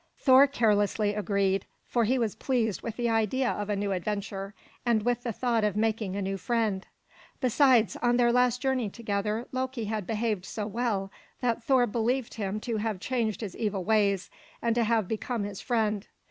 Thor carelessly agreed; for he was pleased with the idea of a new adventure, and with the thought of making a new friend. Besides, on their last journey together, Loki had behaved so well that Thor believed him to have changed his evil ways and to have become his friend.